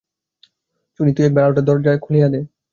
চুনি, তুই একবার আলোটা লইয়া দরজা খুলিয়া দে।